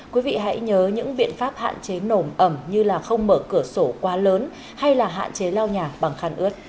quý vị hãy nhớ những biện pháp hạn chế nổm ẩm như là không mở cửa sổ quá lớn hay là hạn chế lao nhà bằng khăn ướt